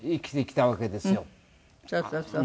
そうそうそう。